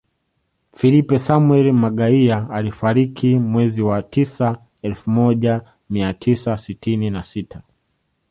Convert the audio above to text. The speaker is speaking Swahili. Filipe Samuel Magaia alifariki mwezi wa tisa elfu moja mia tisa sitini na sita